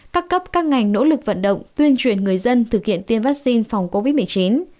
các cấp các ngành nỗ lực vận động tuyên truyền người dân thực hiện tiêm vaccine phòng covid một mươi chín